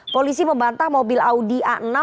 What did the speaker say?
polisi membantah mobil audi a enam